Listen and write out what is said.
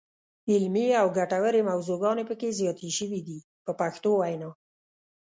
علمي او ګټورې موضوعګانې پکې زیاتې شوې دي په پښتو وینا.